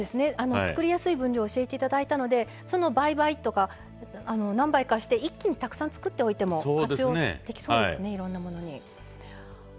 作りやすい分量を教えていただいたのでその倍、倍とか一気にたくさん作っても活用できそうですねいろんなものに。